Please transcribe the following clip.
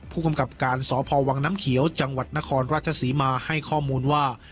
ผู้กำกับการสพวังน้ำเขียวจังหวัดนครราชศรีมาให้ข้อมูลว่า